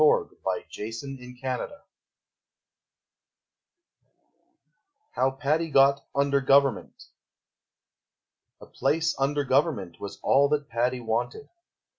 FREDERICK LOCKER LAMPSON HOW PADDY GOT "UNDER GOVERNMENT." A place under Government Was all that Paddy wanted.